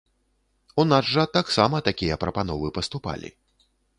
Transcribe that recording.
У нас жа таксама такія прапановы паступалі.